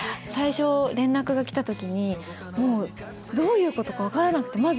最初連絡が来た時にもうどういうことか分からなくて。